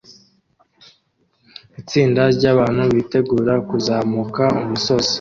Itsinda ryabantu bitegura kuzamuka umusozi